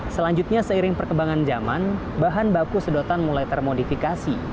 selanjutnya seiring perkembangan zaman bahan baku sedotan mulai termodifikasi